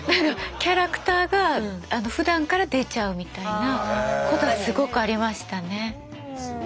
キャラクターがふだんから出ちゃうみたいなことはすごくありましたね。